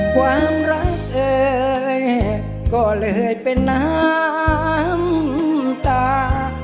ความรักเธอก็เลยเป็นน้ำตา